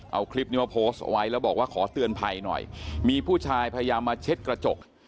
เอาคลิปนี้มาโพสต์เอาไว้แล้วบอกว่าขอเตือนภัยหน่อยมีผู้ชายพยายามมาเช็ดกระจก